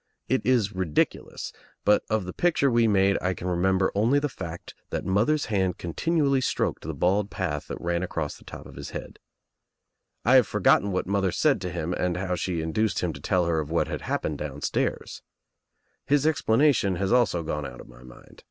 It is ridiculous, but of the picture we made I can remember only the fact that mother's hand continually stroked the bald path that ran across the top of his head. I have for gotten what mother said to him and how she in duced him to tell her of what had happened down stairs. His explanation also has gone out of my mind.